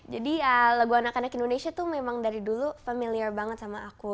jadi ya lagu anak anak indonesia tuh memang dari dulu familiar banget sama aku